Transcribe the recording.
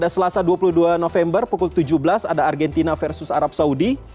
selasa dua puluh dua november pukul tujuh belas ada argentina versus arab saudi